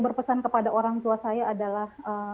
berpesan kepada orang tua saya adalah